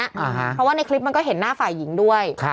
เพราะว่าในคลิปมันก็เห็นหน้าฝ่ายหญิงด้วย